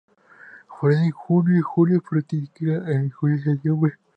Florece en junio-julio y fructifica en julio-septiembre.